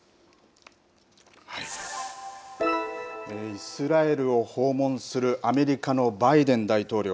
イスラエルを訪問するアメリカのバイデン大統領。